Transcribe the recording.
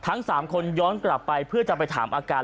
ทั้ง๓คนย้อนกลับไปเพื่อจะไปถามอาการ